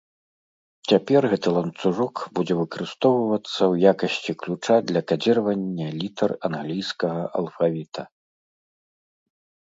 Цяпер гэты ланцужок будзе выкарыстоўвацца ў якасці ключа для кадзіравання літар англійскага алфавіта.